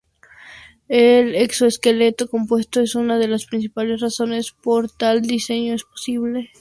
El exoesqueleto compuesto es una de las principales razones por tal diseño es posible.